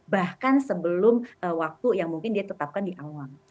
bahkan sebelum waktu yang mungkin dia tetapkan di awal